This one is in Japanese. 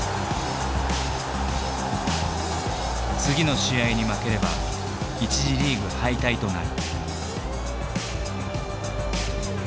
次の試合に負ければ一次リーグ敗退となる。